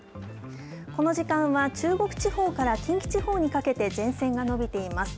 この時間は中国地方から近畿地方にかけて前線が伸びています。